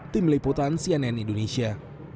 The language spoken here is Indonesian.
tim liputan cnn indonesia